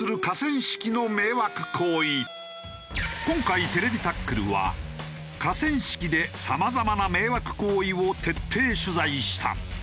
今回『ＴＶタックル』は河川敷でさまざまな迷惑行為を徹底取材した。